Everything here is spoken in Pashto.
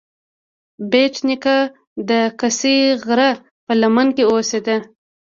بېټ نیکه د کسي غره په لمنو کې اوسیده.